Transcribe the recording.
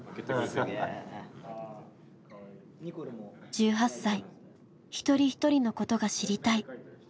１８歳一人一人のことが知りたい。